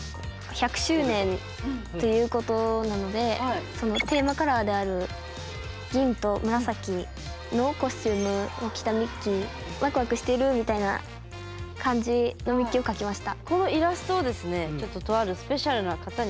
１００周年ということなのでテーマカラーである銀と紫のコスチュームを着たミッキーワクワクしてるみたいな感じのミッキーを描きました。